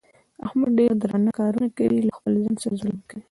احمد ډېر درانه کارونه کوي. له خپل ځان سره ظلم کوي.